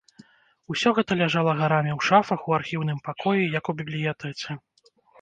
Усё гэта ляжала гарамі ў шафах, у архіўным пакоі, як у бібліятэцы.